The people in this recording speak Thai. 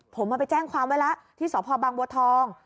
ผมมาไปแจ้งความไว้แล้วที่สพบังบัวทอง